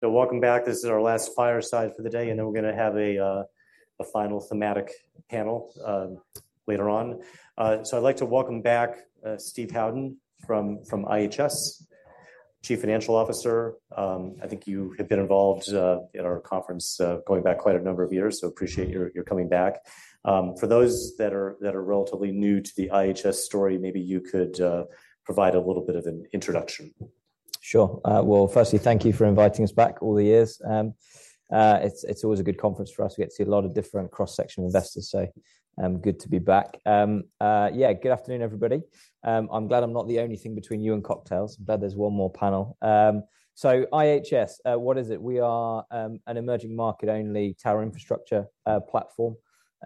So welcome back. This is our last fireside for the day, and then we're gonna have a final thematic panel later on. So I'd like to welcome back Steve Howden from IHS, Chief Financial Officer. I think you have been involved in our conference going back quite a number of years, so appreciate your coming back. For those that are relatively new to the IHS story, maybe you could provide a little bit of an introduction. Sure. Well, firstly, thank you for inviting us back all the years. It's always a good conference for us. We get to see a lot of different cross-section of investors, so, good to be back. Yeah, good afternoon, everybody. I'm glad I'm not the only thing between you and cocktails. I'm glad there's one more panel. So IHS, what is it? We are an emerging market-only tower infrastructure platform.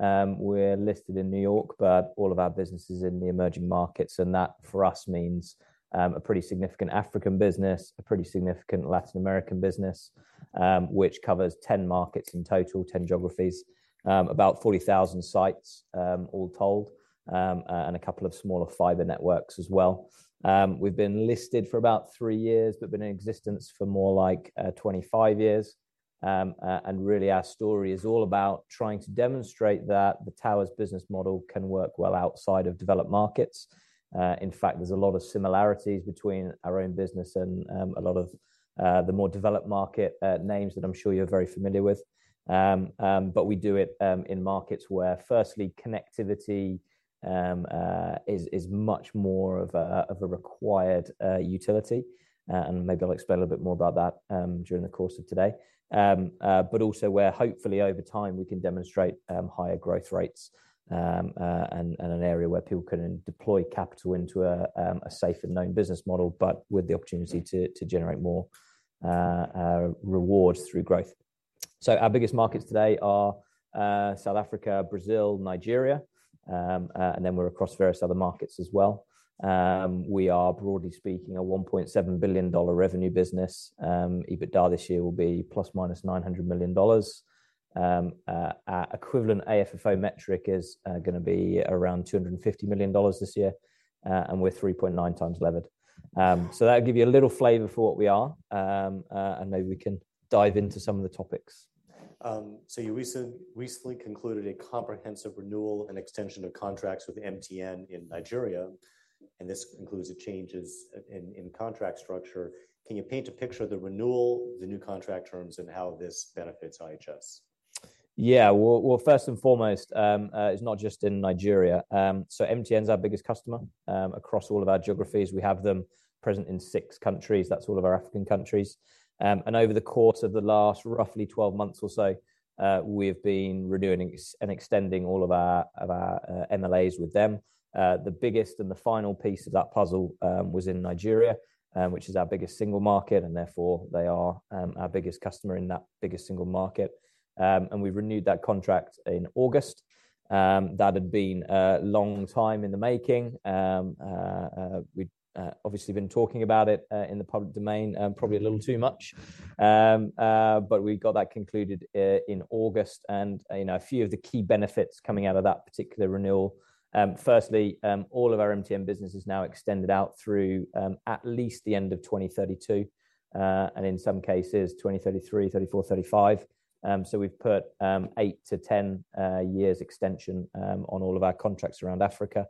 We're listed in New York, but all of our business is in the emerging markets, and that, for us, means a pretty significant African business, a pretty significant Latin American business, which covers 10 markets in total, 10 geographies, about 40,000 sites, all told, and a couple of smaller fiber networks as well. We've been listed for about three years, but been in existence for more like twenty-five years, and really, our story is all about trying to demonstrate that the towers business model can work well outside of developed markets. In fact, there's a lot of similarities between our own business and a lot of the more developed market names that I'm sure you're very familiar with, but we do it in markets where, firstly, connectivity is much more of a required utility, and maybe I'll explain a bit more about that during the course of today. But also where hopefully over time, we can demonstrate higher growth rates and an area where people can deploy capital into a safe and known business model, but with the opportunity to generate more reward through growth. So our biggest markets today are South Africa, Brazil, Nigeria, and then we're across various other markets as well. We are, broadly speaking, a $1.7 billion revenue business. EBITDA this year will be plus minus $900 million. Our equivalent AFFO metric is gonna be around $250 million this year, and we're 3.9 times levered. So that'll give you a little flavor for what we are, and maybe we can dive into some of the topics. So, you recently concluded a comprehensive renewal and extension of contracts with MTN in Nigeria, and this includes the changes in contract structure. Can you paint a picture of the renewal, the new contract terms, and how this benefits IHS? Yeah. Well, first and foremost, it's not just in Nigeria. So MTN's our biggest customer across all of our geographies. We have them present in six countries. That's all of our African countries. And over the course of the last roughly 12 months or so, we've been renewing and extending all of our MLAs with them. The biggest and the final piece of that puzzle was in Nigeria, which is our biggest single market, and therefore, they are our biggest customer in that biggest single market. And we renewed that contract in August. That had been a long time in the making. We'd obviously been talking about it in the public domain, probably a little too much. But we got that concluded in August, and, you know, a few of the key benefits coming out of that particular renewal. Firstly, all of our MTN business is now extended out through at least the end of twenty thirty-two, and in some cases, twenty thirty-three, thirty-four, thirty-five. So we've put eight to 10 years extension on all of our contracts around Africa,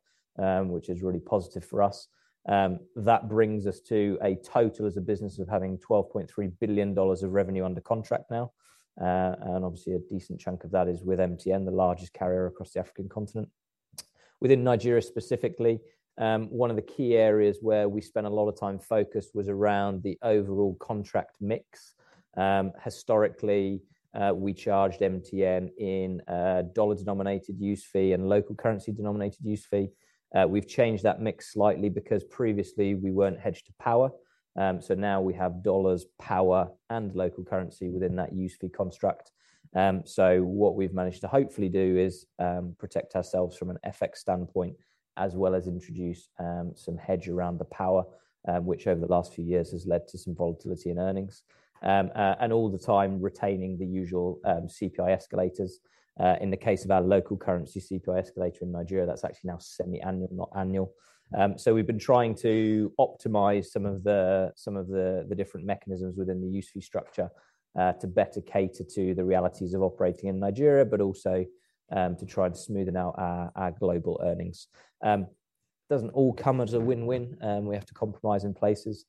which is really positive for us. That brings us to a total as a business of having $12.3 billion of revenue under contract now, and obviously, a decent chunk of that is with MTN, the largest carrier across the African continent. Within Nigeria specifically, one of the key areas where we spent a lot of time focused was around the overall contract mix. Historically, we charged MTN in dollar-denominated use fee and local currency-denominated use fee. We've changed that mix slightly because previously we weren't hedged to power. So now we have dollars, power, and local currency within that use fee construct. So what we've managed to hopefully do is protect ourselves from an FX standpoint, as well as introduce some hedge around the power, which over the last few years has led to some volatility in earnings. And all the time retaining the usual CPI escalators. In the case of our local currency, CPI escalator in Nigeria, that's actually now semi-annual, not annual. So we've been trying to optimize some of the different mechanisms within the use fee structure to better cater to the realities of operating in Nigeria, but also to try to smoothen out our global earnings. Doesn't all come as a win-win, and we have to compromise in places,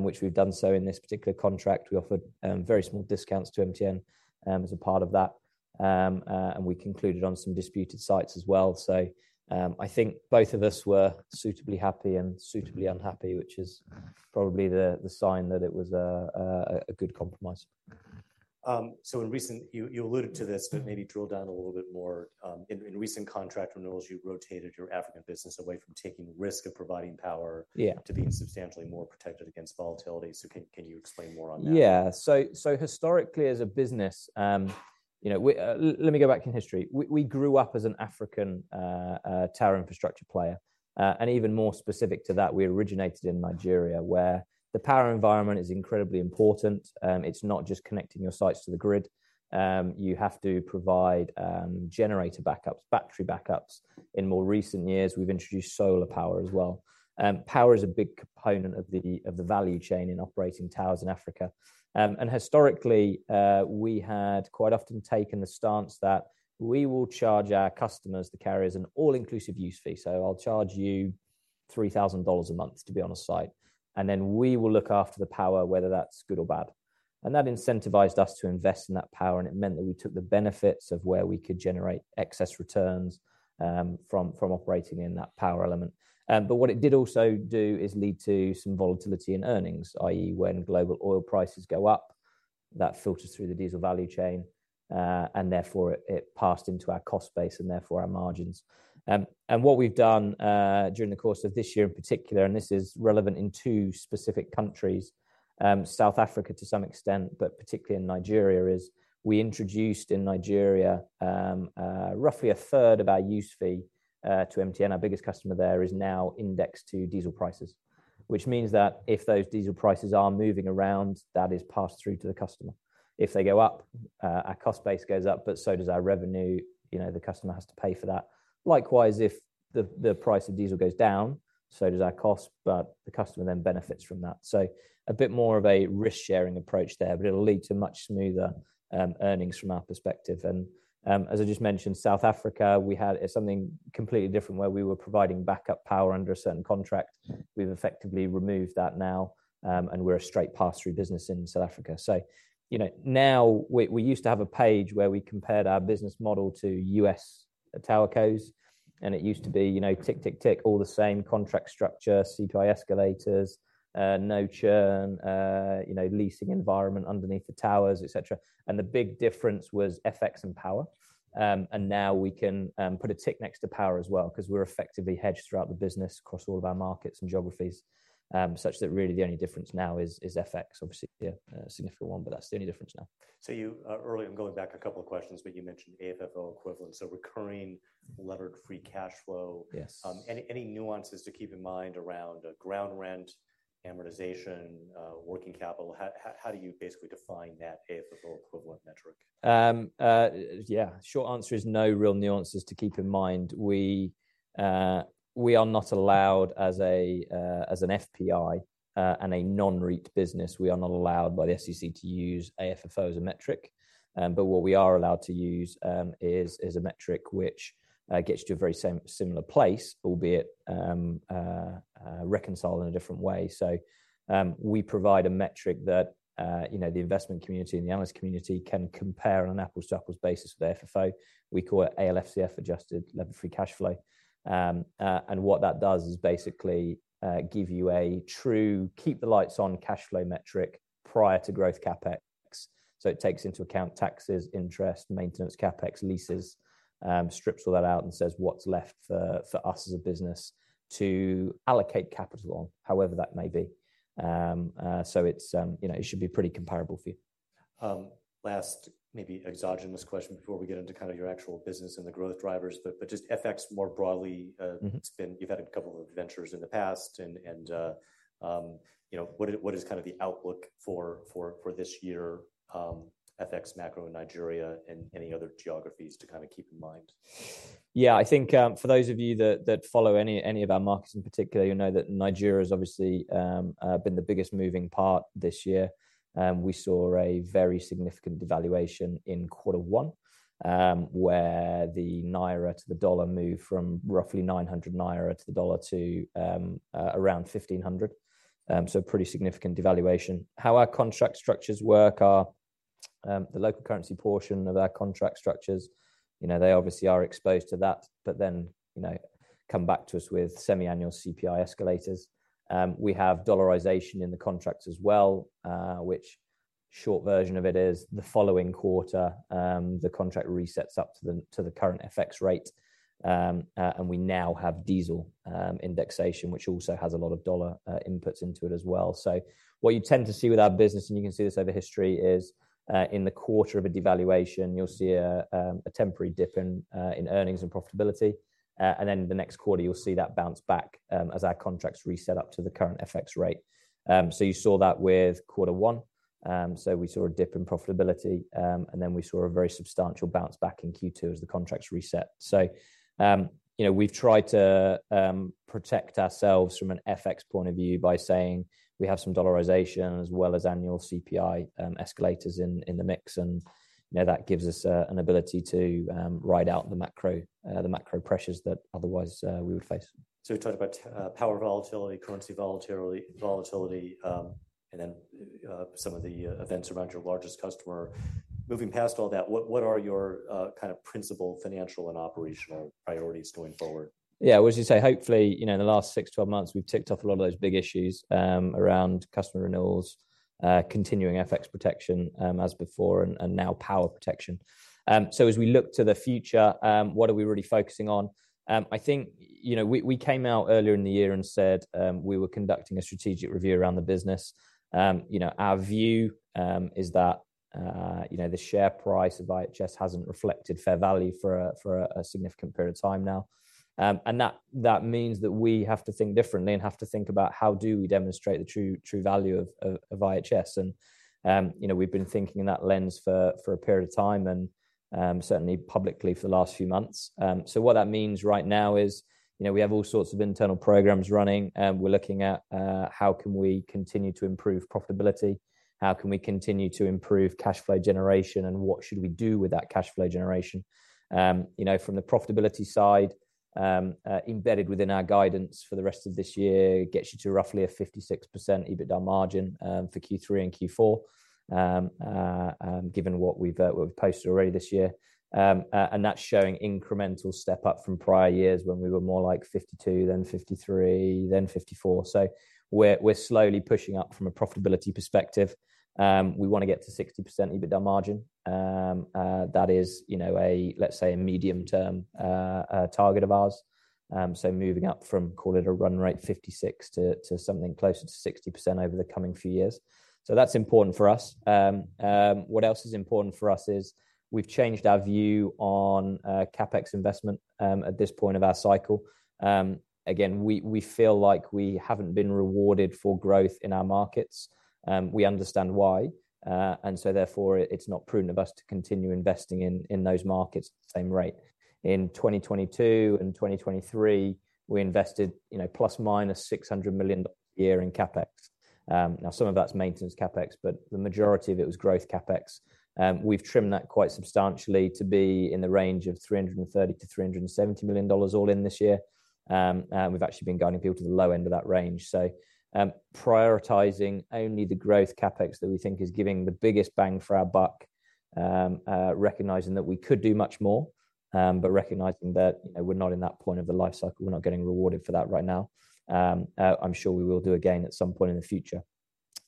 which we've done so in this particular contract. We offered very small discounts to MTN as a part of that, and we concluded on some disputed sites as well. So I think both of us were suitably happy and suitably unhappy, which is probably the sign that it was a good compromise. So in recent... You alluded to this, but maybe drill down a little bit more. In recent contract renewals, you rotated your African business away from taking risk of providing power- Yeah... to being substantially more protected against volatility. So can you explain more on that? Yeah. So historically, as a business, you know, let me go back in history. We grew up as an African tower infrastructure player, and even more specific to that, we originated in Nigeria, where the power environment is incredibly important. It's not just connecting your sites to the grid. You have to provide generator backups, battery backups. In more recent years, we've introduced solar power as well. Power is a big component of the value chain in operating towers in Africa. And historically, we had quite often taken the stance that we will charge our customers, the carriers, an all-inclusive use fee. So I'll charge you $3,000 a month to be on a site, and then we will look after the power, whether that's good or bad. And that incentivized us to invest in that power, and it meant that we took the benefits of where we could generate excess returns, from operating in that power element. But what it did also do is lead to some volatility in earnings, i.e., when global oil prices go up, that filters through the diesel value chain, and therefore, it passed into our cost base and therefore, our margins. And what we've done during the course of this year in particular, and this is relevant in two specific countries, South Africa to some extent, but particularly in Nigeria, is we introduced in Nigeria roughly a third of our use fee to MTN, our biggest customer there, is now indexed to diesel prices. Which means that if those diesel prices are moving around, that is passed through to the customer. If they go up, our cost base goes up, but so does our revenue. You know, the customer has to pay for that. Likewise, if the price of diesel goes down, so does our cost, but the customer then benefits from that. So a bit more of a risk-sharing approach there, but it'll lead to much smoother earnings from our perspective. As I just mentioned, South Africa, we had something completely different, where we were providing backup power under a certain contract. We've effectively removed that now, and we're a straight pass-through business in South Africa. So, you know, now, we used to have a page where we compared our business model to US TowerCos, and it used to be, you know, tick, tick, tick, all the same contract structure, CPI escalators, no churn, you know, leasing environment underneath the towers, et cetera. And the big difference was FX and power. And now we can put a tick next to power as well, 'cause we're effectively hedged throughout the business across all of our markets and geographies, such that really the only difference now is FX. Obviously, a significant one, but that's the only difference now. So you, earlier, I'm going back a couple of questions, but you mentioned AFFO equivalent, so recurring levered free cash flow. Yes. Any nuances to keep in mind around ground rent, amortization, working capital? How do you basically define that AFFO equivalent metric? Yeah, short answer is no real nuances to keep in mind. We are not allowed as an FPI and a non-REIT business, we are not allowed by the SEC to use AFFO as a metric. But what we are allowed to use is a metric which gets to a very similar place, albeit reconciled in a different way, so we provide a metric that you know the investment community and the analyst community can compare on an apples-to-apples basis with AFFO. We call it ALFCF, adjusted levered free cash flow, and what that does is basically give you a true keep the lights on cash flow metric prior to growth CapEx. So it takes into account taxes, interest, maintenance, CapEx, leases, strips all that out and says what's left for us as a business to allocate capital on, however that may be. So it's, you know, it should be pretty comparable for you. Last maybe exogenous question before we get into kind of your actual business and the growth drivers, but just FX more broadly. Mm-hmm. It's been, you've had a couple of adventures in the past and you know, what is kind of the outlook for this year, FX macro in Nigeria and any other geographies to kind of keep in mind? Yeah, I think, for those of you that follow any of our markets in particular, you'll know that Nigeria's obviously been the biggest moving part this year. We saw a very significant devaluation in quarter one, where the naira to the dollar moved from roughly 900 naira to the dollar to around 1,500. So pretty significant devaluation. How our contract structures work are, the local currency portion of our contract structures, you know, they obviously are exposed to that, but then, you know, come back to us with semi-annual CPI escalators. We have dollarization in the contracts as well, which short version of it is the following quarter, the contract resets up to the current FX rate. And we now have diesel indexation, which also has a lot of dollar inputs into it as well. So what you tend to see with our business, and you can see this over history, is, in the quarter of a devaluation, you'll see a temporary dip in earnings and profitability, and then the next quarter, you'll see that bounce back, as our contracts reset up to the current FX rate. So you saw that with quarter one, so we saw a dip in profitability, and then we saw a very substantial bounce back in Q2 as the contracts reset. You know, we've tried to protect ourselves from an FX point of view by saying we have some dollarization as well as annual CPI escalators in the mix, and you know, that gives us an ability to ride out the macro pressures that otherwise we would face. So we've talked about power volatility, currency volatility, and then some of the events around your largest customer. Moving past all that, what are your kind of principal financial and operational priorities going forward? Yeah, I would just say, hopefully, you know, in the last six, twelve months, we've ticked off a lot of those big issues around customer renewals, continuing FX protection, as before, and now power protection, so as we look to the future, what are we really focusing on? I think, you know, we came out earlier in the year and said we were conducting a strategic review around the business. You know, our view is that, you know, the share price of IHS hasn't reflected fair value for a significant period of time now, and that means that we have to think differently and have to think about how do we demonstrate the true value of IHS? We've been thinking in that lens for a period of time and certainly publicly for the last few months. So what that means right now is, you know, we have all sorts of internal programs running, and we're looking at how can we continue to improve profitability? How can we continue to improve cash flow generation, and what should we do with that cash flow generation? You know, from the profitability side, embedded within our guidance for the rest of this year gets you to roughly a 56% EBITDA margin for Q3 and Q4. And given what we've posted already this year, and that's showing incremental step-up from prior years when we were more like 52, then 53, then 54. So we're slowly pushing up from a profitability perspective. We want to get to 60% EBITDA margin. That is, you know, a, let's say, a medium-term target of ours. So moving up from, call it a run rate 56% to something closer to 60% over the coming few years. So that's important for us. What else is important for us is we've changed our view on CapEx investment at this point of our cycle. Again, we feel like we haven't been rewarded for growth in our markets. We understand why, and so therefore, it's not prudent of us to continue investing in those markets at the same rate. In 2022 and 2023, we invested, you know, plus minus $600 million a year in CapEx. Now, some of that's maintenance CapEx, but the majority of it was growth CapEx. We've trimmed that quite substantially to be in the range of $330 million-$370 million all in this year, and we've actually been guiding people to the low end of that range, so prioritizing only the growth CapEx that we think is giving the biggest bang for our buck, recognizing that we could do much more, but recognizing that, you know, we're not in that point of the life cycle, we're not getting rewarded for that right now. I'm sure we will do again at some point in the future,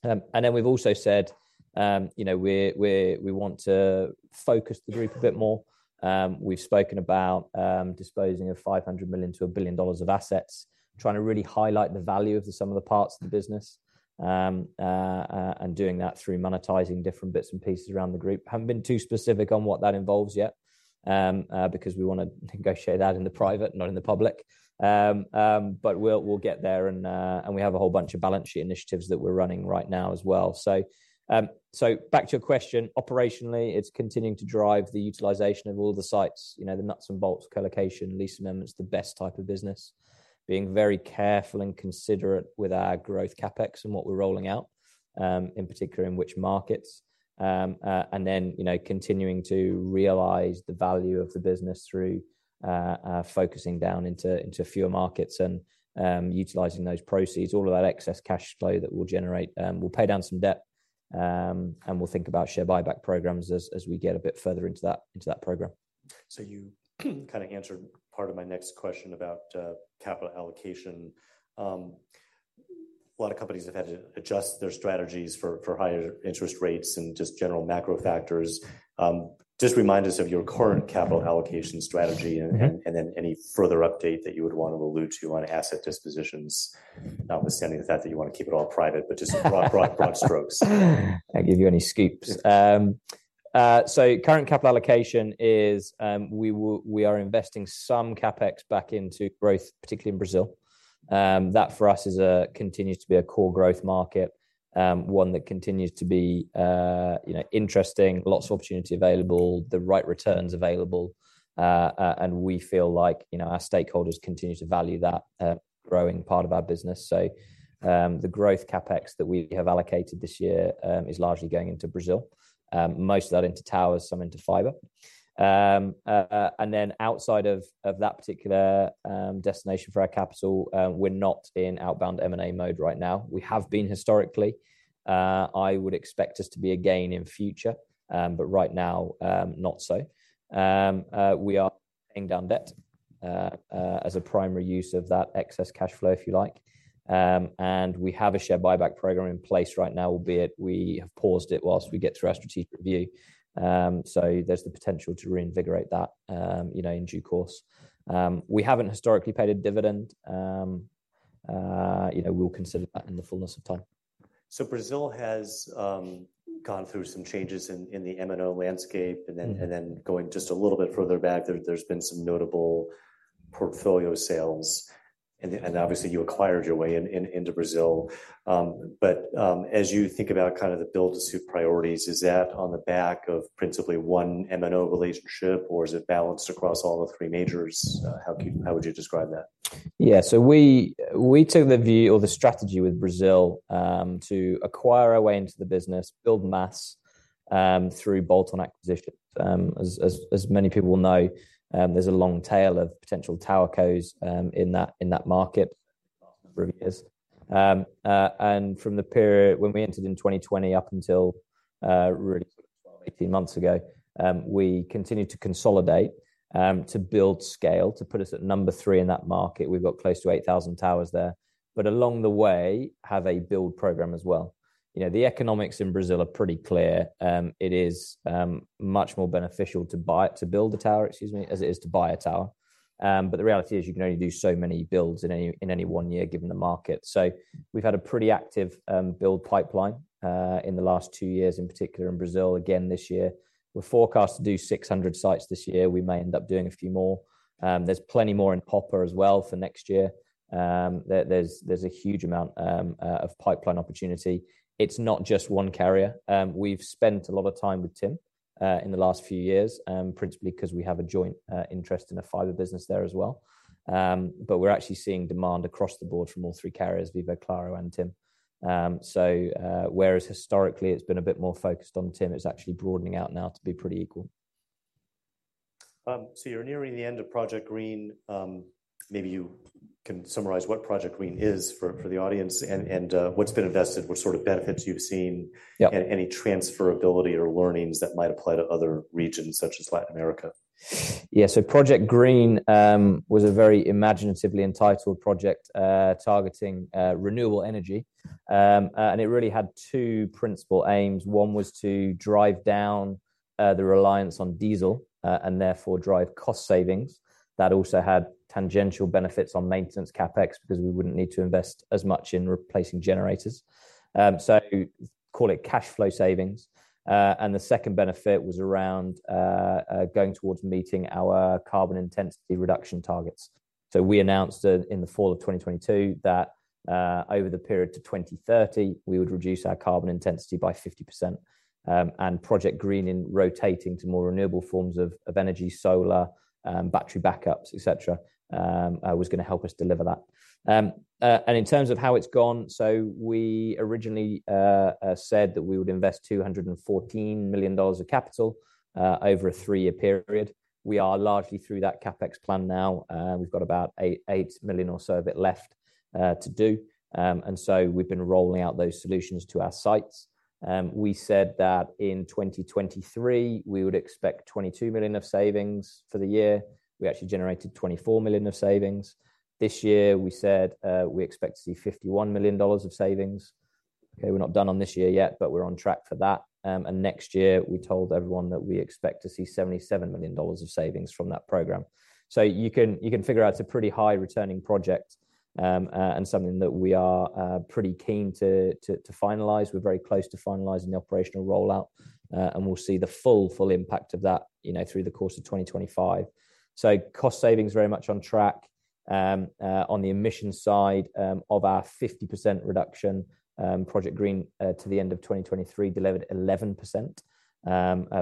and then we've also said, you know, we want to focus the group a bit more. We've spoken about disposing of $500 million-$1 billion of assets, trying to really highlight the value of the sum of the parts of the business, and doing that through monetizing different bits and pieces around the group. Haven't been too specific on what that involves yet, because we wanna negotiate that in the private, not in the public. But we'll get there, and we have a whole bunch of balance sheet initiatives that we're running right now as well. Back to your question, operationally, it's continuing to drive the utilization of all the sites, you know, the nuts and bolts, colocation, leasing them is the best type of business. Being very careful and considerate with our growth CapEx and what we're rolling out, in particular, in which markets, and then, you know, continuing to realize the value of the business through focusing down into fewer markets and utilizing those proceeds, all of that excess cash flow that we'll generate, we'll pay down some debt, and we'll think about share buyback programs as we get a bit further into that program. So you kind of answered part of my next question about capital allocation. A lot of companies have had to adjust their strategies for higher interest rates and just general macro factors. Just remind us of your current capital allocation strategy- Mm-hmm. And then any further update that you would want to allude to on asset dispositions, notwithstanding the fact that you want to keep it all private, but just broad strokes. I give you any scoops. So current capital allocation is, we will-- we are investing some CapEx back into growth, particularly in Brazil. That, for us, is a-- continues to be a core growth market, one that continues to be, you know, interesting, lots of opportunity available, the right returns available, and we feel like, you know, our stakeholders continue to value that, growing part of our business. So, the growth CapEx that we have allocated this year, is largely going into Brazil, most of that into towers, some into fiber. And then outside of that particular, destination for our capital, we're not in outbound M&A mode right now. We have been historically. I would expect us to be again in future, but right now, not so. We are paying down debt as a primary use of that excess cash flow, if you like, and we have a share buyback program in place right now, albeit we have paused it whilst we get through our strategic review, so there's the potential to reinvigorate that, you know, in due course. We haven't historically paid a dividend, you know, we'll consider that in the fullness of time. So Brazil has gone through some changes in the MNO landscape. Mm-hmm. And then going just a little bit further back, there's been some notable portfolio sales, and obviously, you acquired your way into Brazil. But as you think about kind of the build-to-suit priorities, is that on the back of principally one MNO relationship, or is it balanced across all the three majors? How would you describe that? Yeah, so we took the view or the strategy with Brazil to acquire our way into the business, build mass through bolt-on acquisitions. As many people will know, there's a long tail of potential towercos in that market and from the period when we entered in 2020 up until really 12-18 months ago, we continued to consolidate to build scale, to put us at number three in that market. We've got close to 8,000 towers there, but along the way, have a build program as well. You know, the economics in Brazil are pretty clear. It is much more beneficial to buy—to build a tower, excuse me, as it is to buy a tower. But the reality is, you can only do so many builds in any one year, given the market. So we've had a pretty active build pipeline in the last two years, in particular in Brazil again this year. We're forecast to do 600 sites this year. We may end up doing a few more. There's plenty more in pipeline as well for next year. There's a huge amount of pipeline opportunity. It's not just one carrier. We've spent a lot of time with TIM in the last few years, principally 'cause we have a joint interest in the fiber business there as well. But we're actually seeing demand across the board from all three carriers, Vivo, Claro, and TIM. Whereas historically it's been a bit more focused on TIM, it's actually broadening out now to be pretty equal.... So you're nearing the end of Project Green. Maybe you can summarize what Project Green is for the audience and what's been invested, what sort of benefits you've seen- Yeah. and any transferability or learnings that might apply to other regions such as Latin America. Yeah, so Project Green was a very imaginatively entitled project targeting renewable energy, and it really had two principal aims. One was to drive down the reliance on diesel and therefore drive cost savings. That also had tangential benefits on maintenance CapEx, because we wouldn't need to invest as much in replacing generators. So call it cash flow savings, and the second benefit was around going towards meeting our carbon intensity reduction targets. We announced in the fall of 2022 that over the period to 2030 we would reduce our carbon intensity by 50%. And Project Green in rotating to more renewable forms of energy, solar, battery backups, et cetera, was gonna help us deliver that. And in terms of how it's gone, so we originally said that we would invest $214 million of capital over a three-year period. We are largely through that CapEx plan now. We've got about $8 million or so a bit left to do. And so we've been rolling out those solutions to our sites. We said that in 2023, we would expect $22 million of savings for the year. We actually generated $24 million of savings. This year, we said, we expect to see $51 million of savings. Okay, we're not done on this year yet, but we're on track for that. And next year, we told everyone that we expect to see $77 million of savings from that program. So you can figure out it's a pretty high returning project, and something that we are pretty keen to finalize. We're very close to finalizing the operational rollout, and we'll see the full impact of that, you know, through the course of 2025. Cost savings very much on track. On the emissions side, of our 50% reduction, Project Green to the end of 2023 delivered 11%.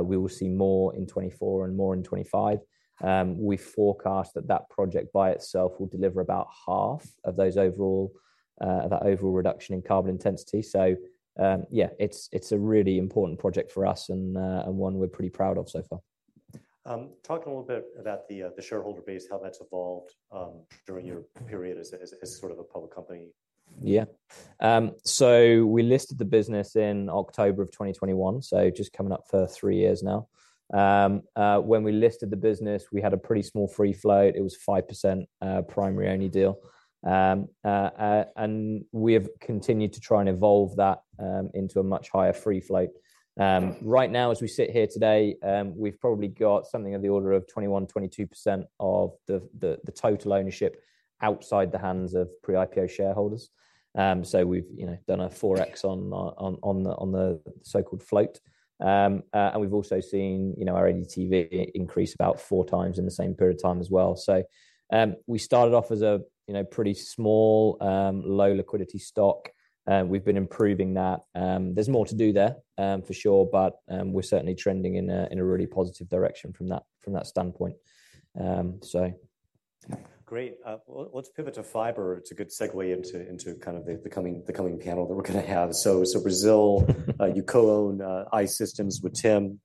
We will see more in 2024 and more in 2025. We forecast that that project by itself will deliver about half of that overall reduction in carbon intensity. Yeah, it's a really important project for us and one we're pretty proud of so far. Talk a little bit about the shareholder base, how that's evolved during your period as sort of a public company. Yeah. So we listed the business in October of 2021, so just coming up for three years now. When we listed the business, we had a pretty small free float. It was 5%, primary-only deal. And we have continued to try and evolve that into a much higher free float. Right now, as we sit here today, we've probably got something of the order of 21-22% of the total ownership outside the hands of pre-IPO shareholders. So we've, you know, done a four X on our, on the so-called float. And we've also seen, you know, our ADTV increase about four times in the same period of time as well. So, we started off as a, you know, pretty small low liquidity stock, and we've been improving that. There's more to do there, for sure, but we're certainly trending in a really positive direction from that standpoint. So... Great. Let's pivot to fiber. It's a good segue into kind of the coming panel that we're gonna have. So Brazil, you co-own I-Systems with TIM,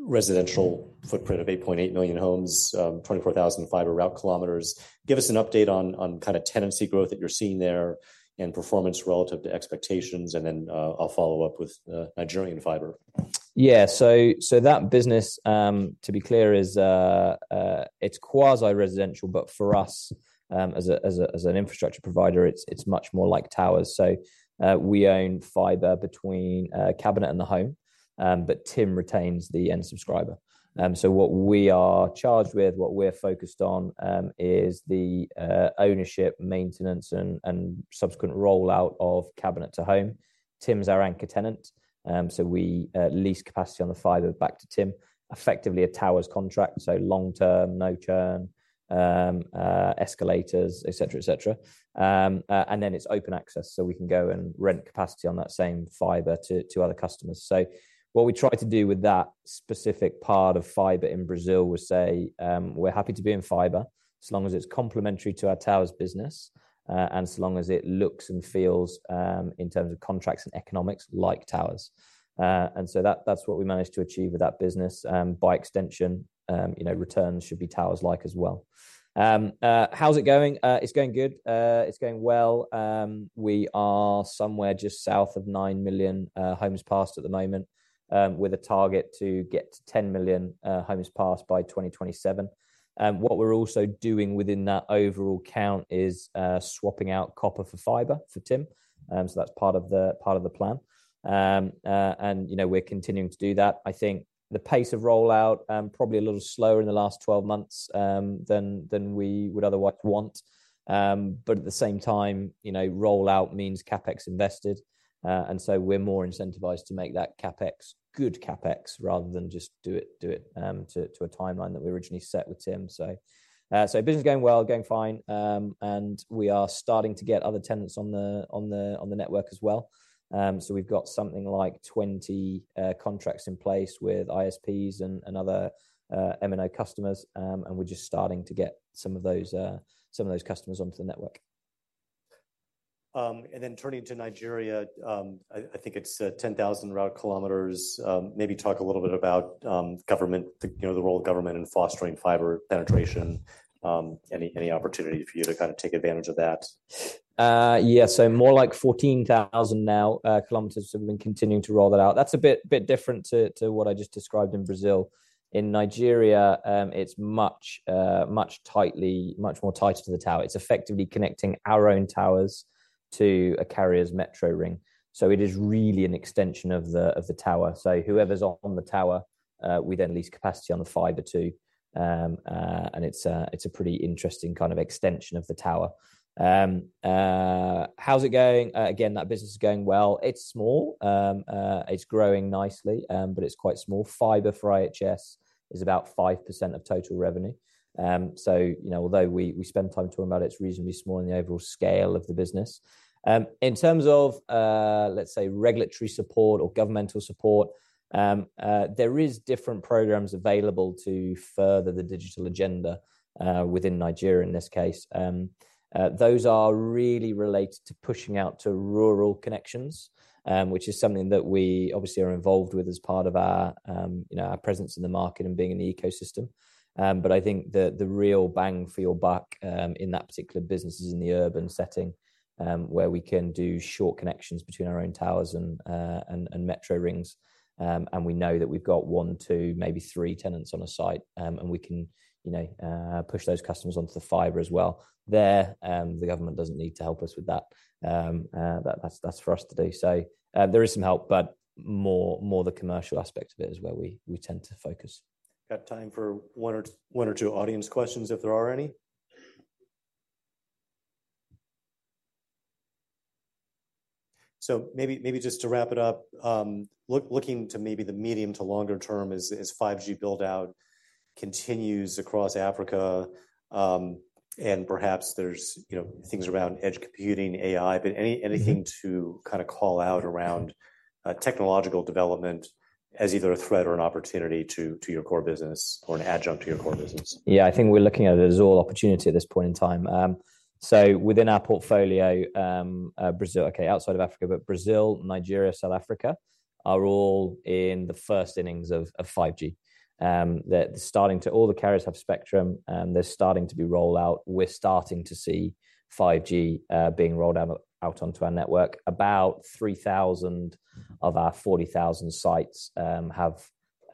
residential footprint of 8.8 million homes, 24,000 fiber route kilometers. Give us an update on kind of tenancy growth that you're seeing there and performance relative to expectations, and then I'll follow up with Nigerian fiber. Yeah. So that business, to be clear, is. It's quasi-residential, but for us, as an infrastructure provider, it's much more like towers. So we own fiber between cabinet and the home, but TIM retains the end subscriber. So what we are charged with, what we're focused on, is the ownership, maintenance, and subsequent rollout of cabinet to home. TIM's our anchor tenant, so we lease capacity on the fiber back to TIM, effectively a towers contract, so long term, no churn, escalators, et cetera, et cetera. And then it's open access, so we can go and rent capacity on that same fiber to other customers. So what we try to do with that specific part of fiber in Brazil is say, we're happy to be in fiber, so long as it's complementary to our towers business, and so long as it looks and feels, in terms of contracts and economics, like towers, and so that, that's what we managed to achieve with that business. By extension, you know, returns should be towers-like as well. How's it going? It's going good. It's going well. We are somewhere just south of nine million homes passed at the moment, with a target to get to 10 million homes passed by 2027. What we're also doing within that overall count is swapping out copper for fiber for Tim, so that's part of the plan. And, you know, we're continuing to do that. I think the pace of rollout probably a little slower in the last 12 months than we would otherwise want. But at the same time, you know, rollout means CapEx invested, and so we're more incentivized to make that CapEx good CapEx rather than just do it to a timeline that we originally set with TIM. So business is going well, going fine, and we are starting to get other tenants on the network as well. So we've got something like 20 contracts in place with ISPs and other MNO customers, and we're just starting to get some of those customers onto the network. ... and then turning to Nigeria, I think it's ten thousand route kilometers. Maybe talk a little bit about government, you know, the role of government in fostering fiber penetration. Any opportunity for you to kind of take advantage of that? Yeah, so more like 14,000 km now. So we've been continuing to roll that out. That's a bit different to what I just described in Brazil. In Nigeria, it's much more tighter to the tower. It's effectively connecting our own towers to a carrier's metro ring, so it is really an extension of the tower. So whoever's on the tower, we then lease capacity on the fiber to. And it's a pretty interesting kind of extension of the tower. How's it going? Again, that business is going well. It's small. It's growing nicely, but it's quite small. Fiber for IHS is about 5% of total revenue. So, you know, although we spend time talking about it, it's reasonably small in the overall scale of the business. In terms of, let's say, regulatory support or governmental support, there is different programs available to further the digital agenda within Nigeria, in this case. Those are really related to pushing out to rural connections, which is something that we obviously are involved with as part of our, you know, our presence in the market and being in the ecosystem. But I think the real bang for your buck, in that particular business is in the urban setting, where we can do short connections between our own towers and metro rings. We know that we've got one, two, maybe three tenants on a site, and we can, you know, push those customers onto the fiber as well. There, the government doesn't need to help us with that. That's for us to do. There is some help, but more the commercial aspect of it is where we tend to focus. Got time for one or two, one or two audience questions, if there are any. Maybe, maybe just to wrap it up, looking to maybe the medium to longer term as 5G build-out continues across Africa, and perhaps there's, you know, things around edge computing, AI, but any- Mm-hmm... anything to kind of call out around technological development as either a threat or an opportunity to your core business or an adjunct to your core business? Yeah, I think we're looking at it as all opportunity at this point in time. So within our portfolio, Brazil, outside of Africa, but Brazil, Nigeria, South Africa, are all in the first innings of 5G. They're starting to. All the carriers have spectrum, and they're starting to do roll-out. We're starting to see 5G being rolled out onto our network. About 3,000 of our 40,000 sites have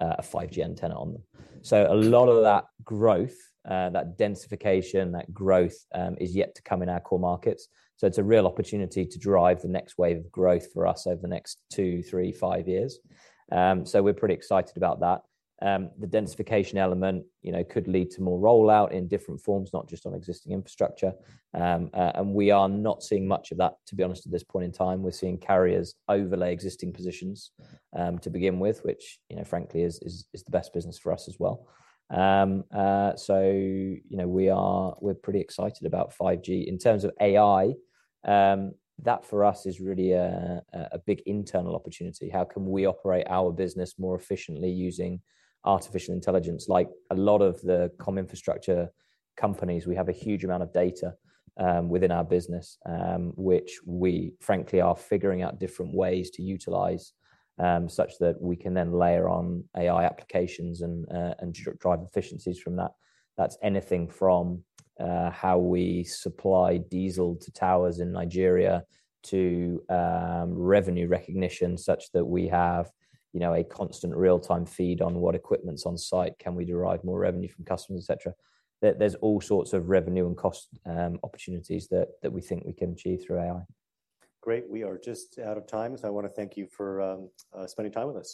a 5G antenna on them. So a lot of that growth, that densification, that growth, is yet to come in our core markets. So it's a real opportunity to drive the next wave of growth for us over the next two, three, five years. So we're pretty excited about that. The densification element, you know, could lead to more rollout in different forms, not just on existing infrastructure, and we are not seeing much of that, to be honest, at this point in time. We're seeing carriers overlay existing positions, to begin with, which, you know, frankly, is the best business for us as well, so you know, we're pretty excited about 5G. In terms of AI, that for us is really a big internal opportunity. How can we operate our business more efficiently using artificial intelligence? Like a lot of the comm infrastructure companies, we have a huge amount of data within our business, which we frankly are figuring out different ways to utilize, such that we can then layer on AI applications and drive efficiencies from that. That's anything from how we supply diesel to towers in Nigeria to revenue recognition, such that we have, you know, a constant real-time feed on what equipment's on site. Can we derive more revenue from customers, et cetera? There's all sorts of revenue and cost opportunities that we think we can achieve through AI. Great! We are just out of time, so I wanna thank you for spending time with us.